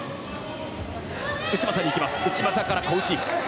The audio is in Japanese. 内股から小内！